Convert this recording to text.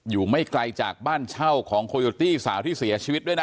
ไม่ไกลจากบ้านเช่าของโคโยตี้สาวที่เสียชีวิตด้วยนะ